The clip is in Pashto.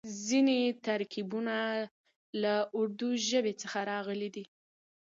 ځينې ترکيبونه له اردو ژبې څخه راغلي دي.